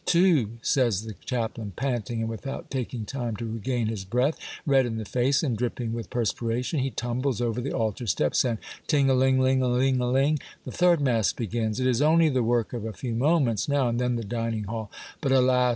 " Two !" says the chaplain, panting, and without taking time to regain his breath, red in the face and dripping with perspiration, he tumbles over the altar steps, and — Ting a ling ! Ling a ling a ling ! The third mass begins. It is only the work of a few moments now, and then the dining hall ! But, alas